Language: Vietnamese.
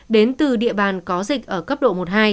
đến từ địa bàn có dịch ở cấp độ một hai